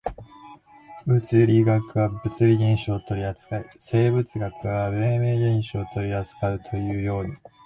物理学は物理現象を取扱い、生物学は生命現象を取扱うというように、